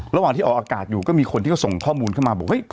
ระหว่างที่ออกอากาศอยู่ก็มีคนที่เขาส่งข้อมูลเข้ามาบอกเฮ้ย